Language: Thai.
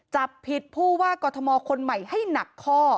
จับผิดผู้ว่ากอทมคนใหม่ให้หนักข้อ